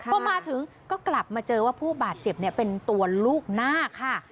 พอมาถึงก็กลับมาเจอว่าผู้บาดเจ็บเป็นตัวลูกนาคค่ะ